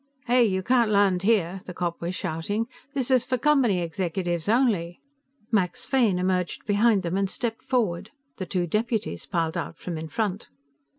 "Hey, you can't land here!" the cop was shouting. "This is for Company executives only!" Max Fane emerged behind them and stepped forward; the two deputies piled out from in front.